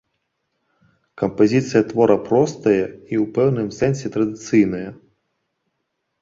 Кампазіцыя твора простая і ў пэўным сэнсе традыцыйная.